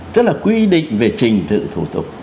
tức là quy định về trình tự thủ tục